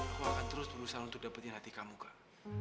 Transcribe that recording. aku akan terus berusaha untuk dapetin hati kamu kak